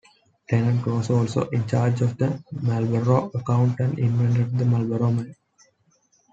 Tennant was also in charge of the Marlboro account and invented the Marlboro Man.